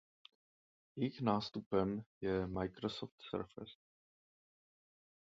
Jejich nástupcem je Microsoft Surface.